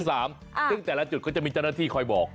ซึ่งแต่ละจุดก็จะมีเจ้าหน้าที่คอยบอก